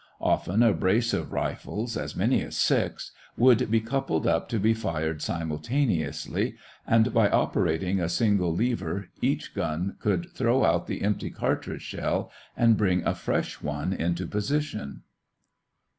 Often a brace of rifles, as many as six, would be coupled up to be fired simultaneously, and by operating a single lever each gun would throw out the empty cartridge shell and bring a fresh one into position.